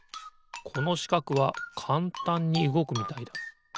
このしかくはかんたんにうごくみたいだ。